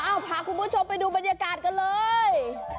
พาคุณผู้ชมไปดูบรรยากาศกันเลย